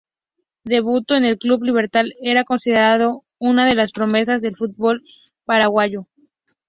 Debutó en el Club Libertad, era considerado una de las promesas del fútbol paraguayo.